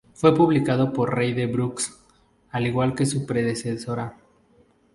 Fue publicado por Del Rey Books al igual que su predecesora.